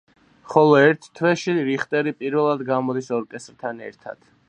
ხოლო ერთ თვეში რიხტერი პირველად გამოდის ორკესტრთან ერთად.